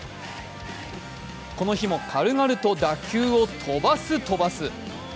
この日も軽々と打球を飛ばす、飛ばす。